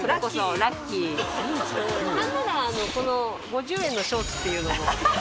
なんならこの５０円のショーツっていうのも。